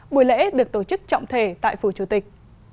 buổi lễ được tổ chức trọng thể tại phủ chủ tịch